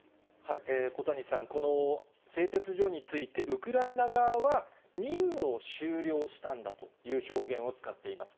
小谷さん、この製鉄所について、ウクライナ側は任務を終了したんだという表現を使っています。